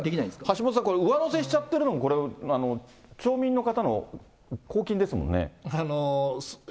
橋下さん、これ、上乗せしちゃってるの、これ、町民の方の公上乗せ。